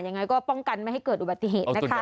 ยังไงก็ป้องกันไม่ให้เกิดอุบัติเหตุนะคะ